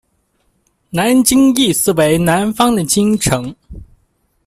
南京意思为南方的京城。